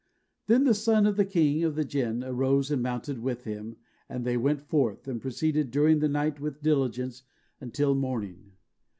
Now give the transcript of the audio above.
Then the son of the king of the Jinn arose and mounted with him, and they went forth, and proceeded during the night with diligence until the morning.